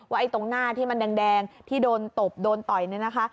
ไอ้ตรงหน้าที่มันแดงที่โดนตบโดนต่อยเนี่ยนะคะ